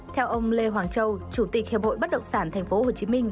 theo ông lê hoàng châu chủ tịch hiệp hội bất động sản tp hcm